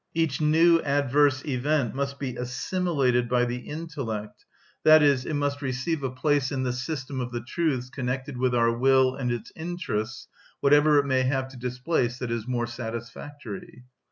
Each new adverse event must be assimilated by the intellect, i.e., it must receive a place in the system of the truths connected with our will and its interests, whatever it may have to displace that is more satisfactory.